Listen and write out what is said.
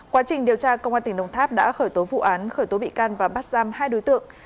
quá trình điều tra công an tỉnh đồng tháp đã khởi tố vụ án khởi tố bị can và bắt giam hai đối tượng